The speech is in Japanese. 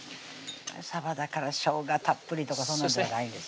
さばだからしょうがたっぷりとかそんなんじゃないんです